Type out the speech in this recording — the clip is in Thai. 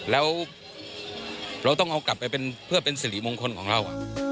แล้วเราต้องเอากลับไปเป็นเพื่อเป็นสิริมงคลของเรา